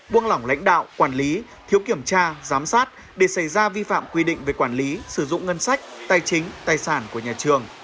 buông lỏng lãnh đạo quản lý thiếu kiểm tra giám sát để xảy ra vi phạm quy định về quản lý sử dụng ngân sách tài chính tài sản của nhà trường